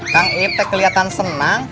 kang ipte keliatan senang